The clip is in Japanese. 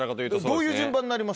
どういう順番になりますか？